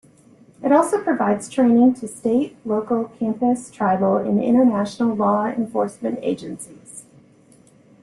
It also provides training to state, local, campus, tribal, and international law enforcement agencies.